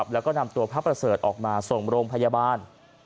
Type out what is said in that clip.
แล้วก็นำตัวพระประเสริฐออกมาส่งโรงพยาบาล